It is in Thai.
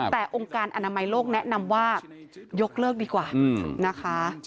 แต่องค์การอนามัยโลกแนะนำว่ายกเลิกดีกว่านะคะ